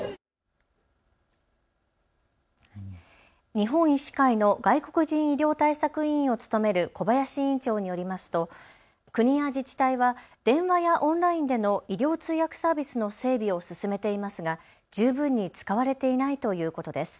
日本医師会の外国人医療対策委員を務める小林院長によりますと国や自治体は電話やオンラインでの医療通訳サービスの整備を進めていますが十分に使われていないということです。